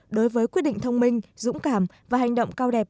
đối với quyết định thông minh dũng cảm và hành động cao đẹp